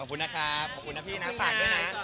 ขอบคุณนะครับขอบคุณนะพี่นะฝากด้วยนะ